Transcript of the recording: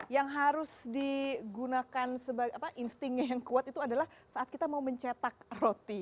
yang harus digunakan instingnya yang kuat itu adalah saat kita mau mencetak roti